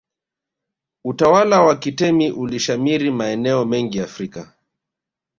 utawala wa kitemi ulishamiri maeneo mengi afrika